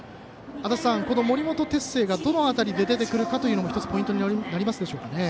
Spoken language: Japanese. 森本哲星がどの辺りで出てくるかというのも１つポイントになりますでしょうか。